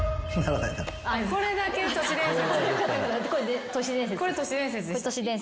これだけ都市伝説？